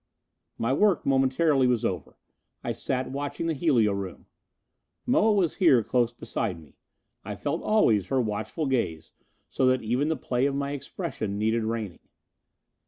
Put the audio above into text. My work momentarily was over. I sat watching the helio room. Moa was here, close beside me; I felt always her watchful gaze, so that even the play of my expression needed reining.